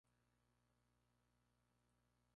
Está inhumado en el cementerio Saint-Roch de Grenoble.